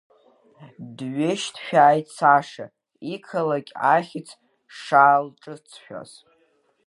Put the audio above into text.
Дҩышьҭшәааит Саша, иқалақь ахьӡ шаалҿыҵшәаз.